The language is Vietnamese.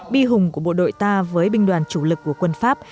bi hùng của bộ đội ta với binh đoàn chủ lực của quân pháp